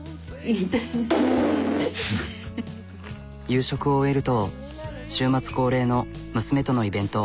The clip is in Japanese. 夕食を終えると週末恒例の娘とのイベント。